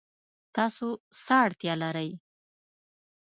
تاسو څه اړتیا لرئ؟